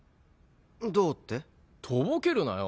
どうって？とぼけるなよ。